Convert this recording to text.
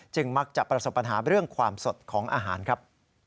มักจะประสบปัญหาเรื่องความสดของอาหารครับ